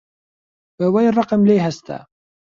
بە وەی ڕقم لێی هەستا